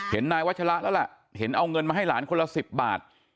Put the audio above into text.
นายวัชละแล้วล่ะเห็นเอาเงินมาให้หลานคนละ๑๐บาท